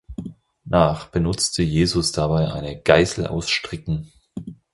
Nach benutzte Jesus dabei eine „Geißel aus Stricken“.